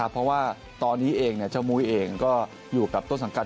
เพราะว่าตอนนี้เองเจ้ามุ้ยเองก็อยู่กับต้นสังกัด